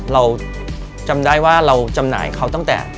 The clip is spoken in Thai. เราจำได้ว่าเราจำหน่ายเขาตั้งแต่